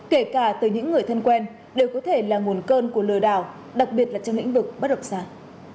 kể cả từ những người thân quen đều có thể là nguồn cơn của lừa đảo đặc biệt là trong lĩnh vực bất động sản